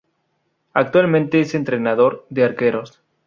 Actualmente es entrenador de arqueros.